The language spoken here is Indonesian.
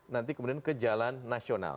nanti kemudian ke jalan nasional